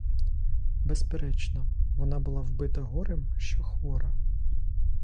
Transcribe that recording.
Безперечно, вона була вбита горем, що хвора.